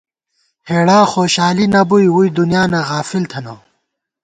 ہېڑا خوشالی نہ بُوئی، ووئی دُنیانہ غافل تھنہ